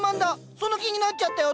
その気になっちゃったよ。